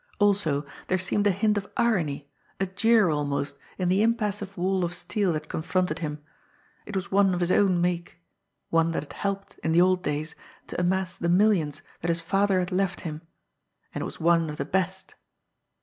Also, there seemed a hint of irony, a jeer almost, in the impassive wall of steel that confronted him. It was one of his own make one that had helped, in the old days, to amass the millions that his father had left to him and it was one of the best!